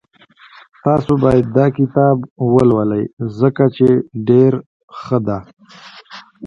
تاسو باید داکتاب ولولئ ځکه چی ډېر ښه ده